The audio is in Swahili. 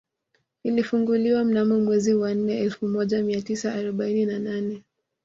Ilifunguliwa mnamo mwezi wa nne elfu moja mia tisa arobaini na nane